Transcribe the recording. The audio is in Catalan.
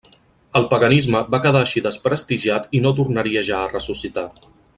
El paganisme va quedar així desprestigiat i no tornaria ja a ressuscitar.